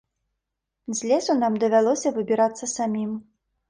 З лесу нам давялося выбірацца самім.